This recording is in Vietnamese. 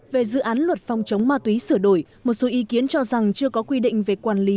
về dự án luật phòng chống ma túy sửa đổi một số ý kiến cho rằng chưa có quy định về quản lý